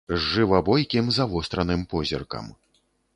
З жыва бойкім, завостраным позіркам.